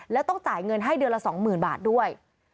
และต้องจ่ายเงินให้เดือนละสองหมื่นบาทด้วย